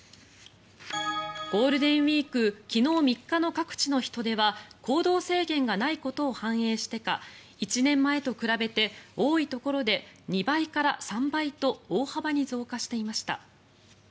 ゴールデンウィーク昨日３日の各地の人出は行動制限がないことを反映してか１年前と比べて多いところで２倍から３倍と大幅に増加していました。